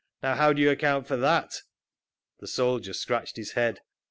Now how do you account for that?" The soldier scratched his head.